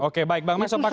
oke baik bang max sopakua